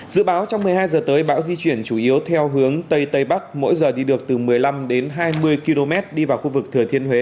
dự báo trong một mươi hai h tới bão di chuyển chủ yếu theo hướng tây tây bắc mỗi giờ đi được từ một mươi năm đến hai mươi km đi vào khu vực thừa thiên huế